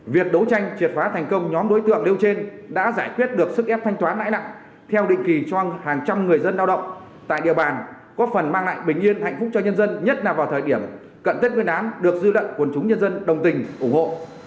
việc đấu tranh triệt phá thành công nhóm đối tượng nêu trên đã giải quyết được sức ép thanh toán lãi nặng theo định kỳ cho hàng trăm người dân lao động tại địa bàn có phần mang lại bình yên hạnh phúc cho nhân dân nhất là vào thời điểm cận tết nguyên đán được dư luận quân chúng nhân dân đồng tình ủng hộ